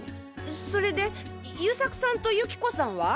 それで優作さんと有希子さんは？